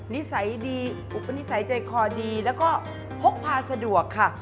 นิสัยดีอุปนิสัยใจคอดีแล้วก็พกพาสะดวกค่ะ